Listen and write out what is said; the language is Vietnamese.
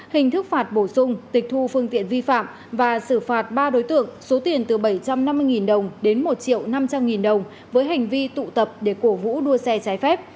hình thức phạt bổ sung tịch thu phương tiện vi phạm và xử phạt ba đối tượng số tiền từ bảy trăm năm mươi đồng đến một triệu năm trăm linh đồng với hành vi tụ tập để cổ vũ đua xe trái phép